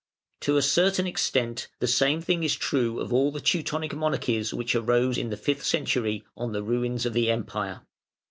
To a certain extent the same thing is true of all the Teutonic monarchies which arose in the fifth century on the ruins of the Empire.